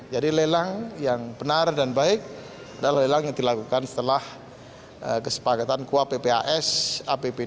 jadi lelang yang benar dan baik adalah lelang yang dilakukan setelah kesepakatan kuappas apbd dua ribu tujuh belas